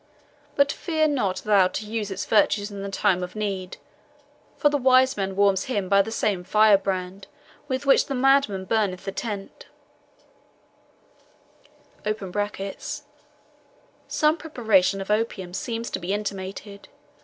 But fear not thou to use its virtues in the time of need, for the wise man warms him by the same firebrand with which the madman burneth the tent." [Some preparation of opium seems to be intimated.